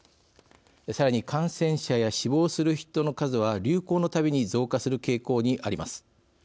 さらに感染者や死亡する人の数は流行のたびに増加する傾向にあります。